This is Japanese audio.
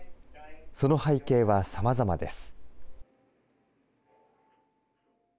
その背景はさまざまです。